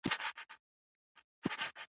وزن د قوې په واحد اندازه کېږي.